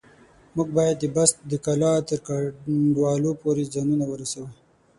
موږ بايد د بست د کلا تر کنډوالو پورې ځانونه ورسوو.